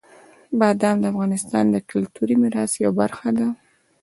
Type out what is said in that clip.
بادام د افغانستان د کلتوري میراث یوه برخه ده.